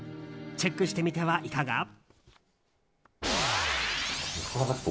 チェックしてみてはいかが？